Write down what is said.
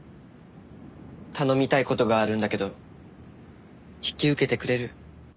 頼みたい事があるんだけど引き受けてくれる？